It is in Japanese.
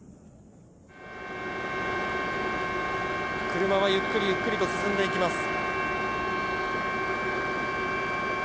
車はゆっくりゆっくりと進んでいきます。